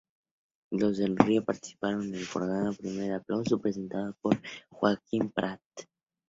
Los del Río participaron en el programa "Primer Aplauso", presentado por Joaquín Prat.